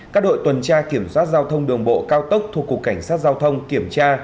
các đội tuần tra kiểm soát giao thông đường bộ cao tốc thuộc cục cảnh sát giao thông kiểm tra